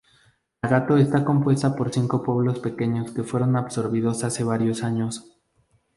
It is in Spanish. Nagato está compuesta por cinco pueblos pequeños que fueron absorbidos hace varios años.